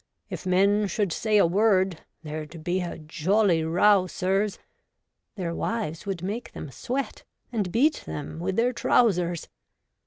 If men should say a word, There'd be a jolly row, sirs ! Their wives would make them sweat And beat them with their trousers.